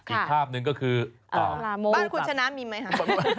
อีกภาพหนึ่งก็คือบ้านคุณชนะมีไหมคะ